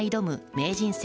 名人戦